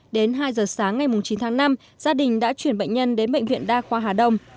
đến hai giờ sáng ngày chín tháng năm gia đình đã chuyển bệnh nhân đến bệnh viện đa khoa hà đông